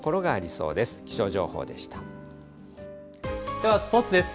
ではスポーツです。